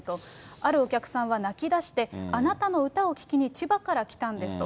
あるお客さんは泣きだして、あなたの歌を聴きに千葉から来たんですと。